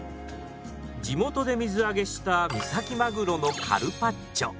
地元で水揚げした三崎まぐろのカルパッチョ。